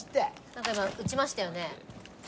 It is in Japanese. なんか今撃ちましたよね？